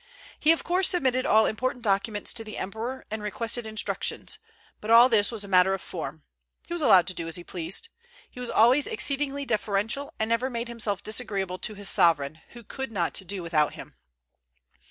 He of course submitted all important documents to the emperor, and requested instructions; but all this was a matter of form. He was allowed to do as he pleased. He was always exceedingly deferential, and never made himself disagreeable to his sovereign, who could not do without him.